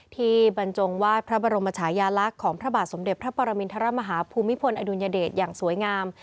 บรรจงวาดพระบรมชายาลักษณ์ของพระบาทสมเด็จพระปรมินทรมาฮาภูมิพลอดุลยเดชอย่างสวยงาม